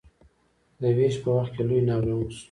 د ویش په وخت کې لوی ناورین وشو.